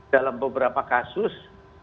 dalam beberapa kasus